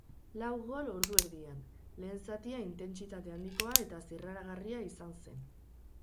Lau gol ordu erdian, lehen zatia intentsitate handikoa eta zirraragarria izan zen.